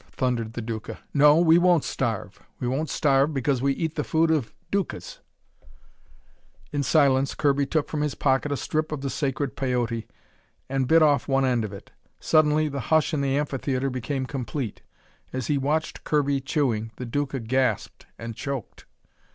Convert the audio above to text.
thundered the Duca. "No, we won't starve! We won't starve because we eat the food of Ducas!" In silence, Kirby took from his pocket a strip of the sacred Peyote and bit off one end of it. Suddenly the hush in the amphitheatre became complete. As he watched Kirby chewing, the Duca gasped and choked.